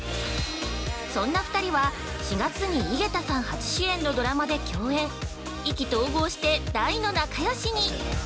そんな２人は、４月に井桁さん初主演のドラマで共演意気投合して、大の仲よしに。